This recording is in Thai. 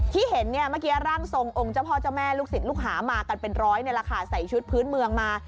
ที่เห็นเนี่ยเมื่อกี้ร่างทรงองค์เจ้าพ่อเจ้าแม่ลูกศิษย์ลูกหามากันเป็นร้อยนี่แหละค่ะใส่ชุดพื้นเมืองมา